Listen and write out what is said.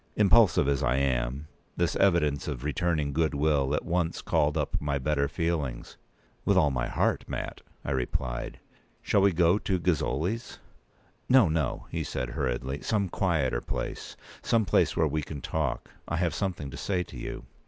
Impulsive as I am, this evidence of returning good will at once called up my better feelings. "With all my heart, Mat," I replied; "shall we go to Gozzoli's?" "No, no," he said, hurriedly. "Some quieter place—some place where we can talk. I have something to say to you."